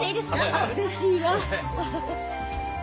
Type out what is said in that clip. あらうれしいわ。